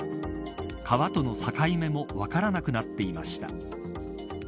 川との境目も分からなくなっていました。